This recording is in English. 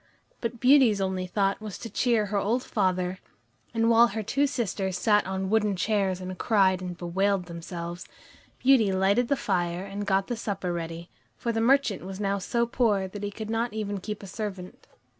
But Beauty's only thought was to cheer her old father, and while her two sisters sat on wooden chairs and cried and bewailed themselves, Beauty lighted the fire and got the supper ready, for the merchant was now so poor that he could not even keep a servant.